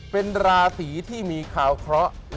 เป็นราศีที่มีข่าวเคราะห์